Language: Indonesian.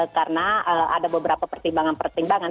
karena ada beberapa pertimbangan pertimbangan